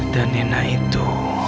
dan nena itu